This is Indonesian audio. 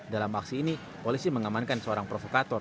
dalam aksi ini polisi mengamankan seorang provokator